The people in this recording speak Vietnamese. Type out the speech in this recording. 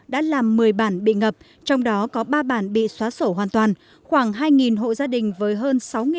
đã làm một mươi bản bị ngập trong đó có ba bản bị xóa sổ hoàn toàn khoảng hai hộ gia đình với hơn